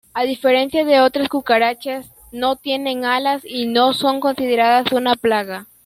A diferencia de otras cucarachas, no tienen alas y no son consideradas una plaga.